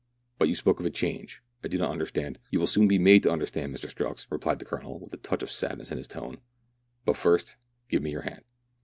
But you spoke of a change ; I do not understand " "You will soon be made to understand, Mr. Strux," replied the Colonel, with a touch of sadness in his tone, " but first give me your hand."